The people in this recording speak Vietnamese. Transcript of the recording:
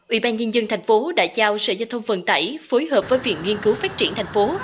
ủy ban nhân dân tp hcm đã giao sở giao thông vận tải phối hợp với viện nghiên cứu phát triển tp hcm